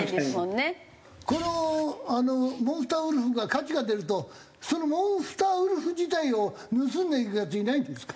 このモンスターウルフが価値が出るとそのモンスターウルフ自体を盗んでいくヤツいないんですか？